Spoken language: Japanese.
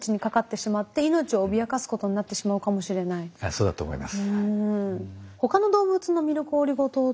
そうだと思います。